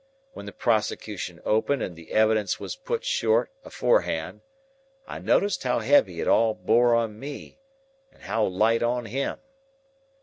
When the prosecution opened and the evidence was put short, aforehand, I noticed how heavy it all bore on me, and how light on him.